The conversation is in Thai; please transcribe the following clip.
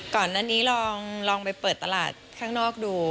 ก่อนหน้านี้ลองไปเปิดตลาดข้างนอกดู